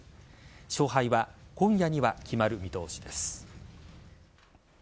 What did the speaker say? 勝敗は今夜には決まる見通しです。